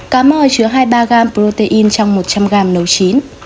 cá mòi chứa hai mươi ba g protein trong một trăm linh g nấu chín